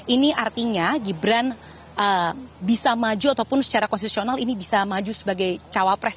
ini artinya gibran bisa maju ataupun secara konstitusional ini bisa maju sebagai cawapres